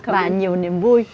và nhiều niềm vui